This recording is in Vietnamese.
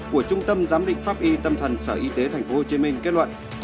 của trung tâm giám định pháp y tâm thần sở y tế tp hcm kết luận